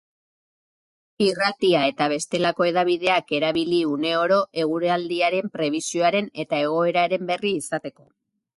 Irratia eta bestelako hedabideak erabili une oro eguraldiaren prebisioaren eta egoeraren berri izateko.